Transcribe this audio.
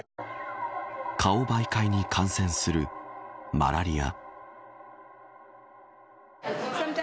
蚊を媒介に感染するマラリア。